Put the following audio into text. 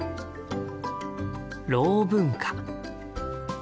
「ろう文化」。